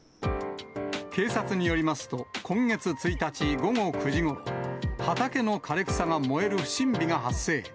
警察によりますと、今月１日午後９時ごろ、畑の枯れ草が燃える不審火が発生。